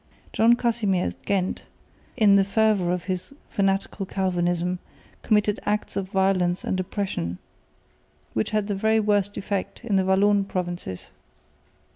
John Casimir at Ghent, in the fervour of his fanatical Calvinism, committed acts of violence and oppression, which had the very worst effect in the Walloon provinces.